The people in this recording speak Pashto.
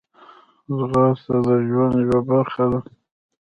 ځغاسته د ژوند یوه برخه ده